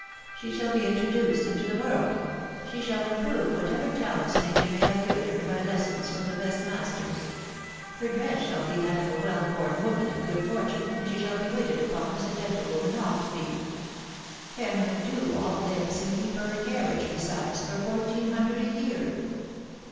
. She shall be introduced into the world, .... she shall improve whatever talents nature may have given her by lessons from the best masters ;.... her dress shall be that of a well born woman of ^ood fotVMx^^xA. she shall be waited upon as a gentle^om&Tv csvsl^W. \a \^% ^»v I do all this, and keep her a carriage tesutefe, tot toaxvsss G 4 98 THE WIDOW BABNABY. hundred a year